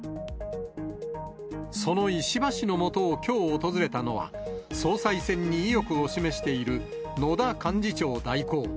その石破氏のもとをきょう訪れたのは、総裁選に意欲を示している野田幹事長代行。